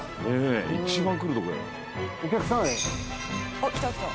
あっ来た来た。